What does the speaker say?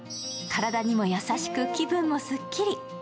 体にも優しく気分もすっきり。